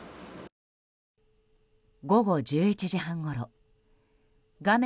午後１１時半ごろ画面